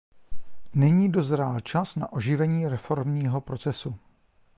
Nyní dozrál čas na oživení reformního procesu.